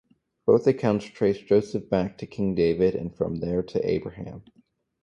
Both accounts trace Joseph back to King David and from there to Abraham.